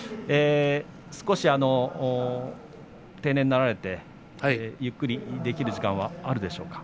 定年になられてゆっくりできる時間はあるでしょうか。